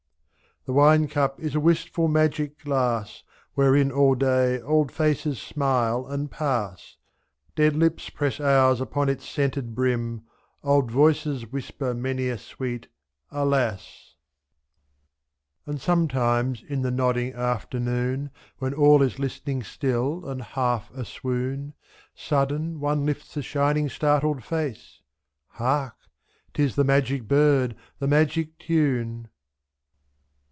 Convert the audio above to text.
The wine cup is a wistful magic glass. Wherein all day old faces smile and pass, " Dead lips press ours upon its scented brim. Old voices whisper many a sweet *alas!' 23 And sometimes in the nodding afternoon, When all is listening still and half a swoon, /^. Sudden one lifts a shining startled face, — Hark! 'tis the magic bird, the magic tune!